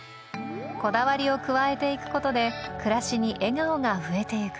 こだわりを加えて行くことで暮らしに笑顔が増えて行く